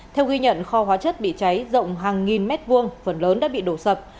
theo ghi nhận kho hóa chất bị cháy rộng hàng nghìn mét vuông phần lớn đã bị đổ sập